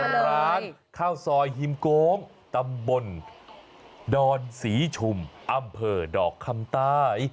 ร้านข้าวซอยฮิมโกงตำบลดอนศรีชุมอำเภอดอกคำใต้